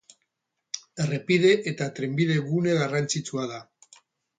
Errepide eta trenbide-gune garrantzitsua da.